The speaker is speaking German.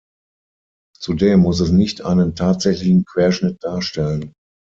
Zudem muss es nicht einen tatsächlichen Querschnitt darstellen.